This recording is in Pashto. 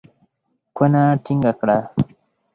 کونه ټينګه کړه.